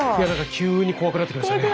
急に怖くなってきましたね。